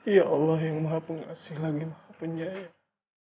ya allah yang maha pengasih lagi maha penyayang